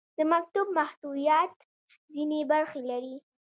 د مکتوب محتویات ځینې برخې لري.